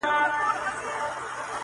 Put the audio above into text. په سمه لاره کي پل مه ورانوی؛